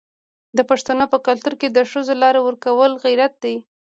د پښتنو په کلتور کې د ښځو لار ورکول غیرت دی.